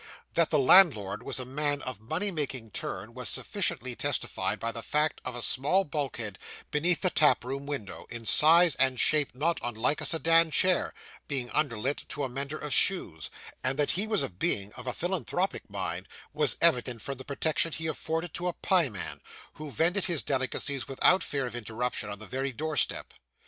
That the landlord was a man of money making turn was sufficiently testified by the fact of a small bulkhead beneath the tap room window, in size and shape not unlike a sedan chair, being underlet to a mender of shoes: and that he was a being of a philanthropic mind was evident from the protection he afforded to a pieman, who vended his delicacies without fear of interruption, on the very door step.